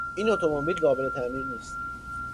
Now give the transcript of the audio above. این اتومبیل قابل تعمیر نیست.